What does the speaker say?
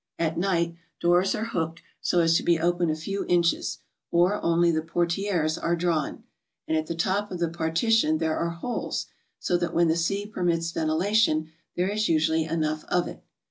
At night, doors are hooked so as to be open a few inches, or only the portieres are drawn, and at the top of the partition there are holes, so that when the sea permits ventilation, there is usually enough of it.